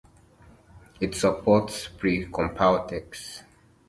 It also supports pre-compile text.